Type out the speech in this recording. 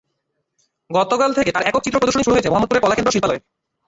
গতকাল থেকে তাঁর একক চিত্র প্রদর্শনী শুরু হয়েছে মোহাম্মদপুরের কলাকেন্দ্র শিল্পালয়ে।